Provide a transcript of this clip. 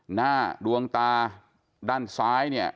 หน้าดวงตาด้านซ้ายเนี่ย